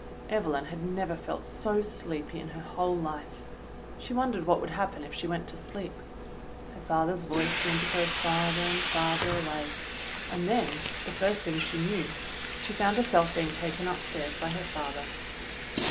Evelyn had never felt so sleepy in her whole life. She wondered what would happen if she went to sleep. Her father's voice seemed to grow farther and farther away, and then, the first thing she knew, 38 THE BLUE AUNT she found herself being taken upstairs by her father.